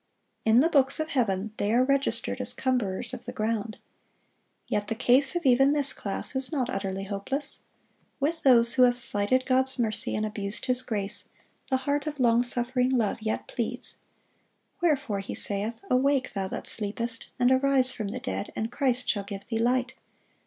In the books of heaven they are registered as cumberers of the ground. Yet the case of even this class is not utterly hopeless. With those who have slighted God's mercy and abused His grace, the heart of long suffering Love yet pleads. "Wherefore He saith, Awake, thou that sleepest, and arise from the dead, and Christ shall give thee light.